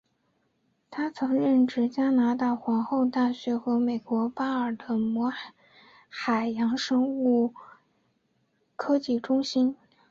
他曾任职加拿大皇后大学和美国巴尔的摩海洋生物科技中心。